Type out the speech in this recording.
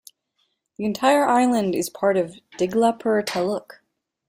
The entire island is part of Diglipur Taluk.